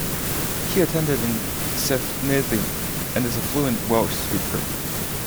He attended in Cefneithin, and is a fluent Welsh speaker.